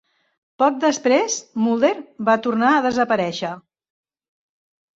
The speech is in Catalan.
Poc després, Mulder va tornar a desaparèixer.